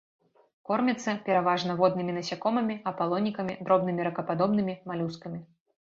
Корміцца пераважна воднымі насякомымі, апалонікамі, дробнымі ракападобнымі, малюскамі.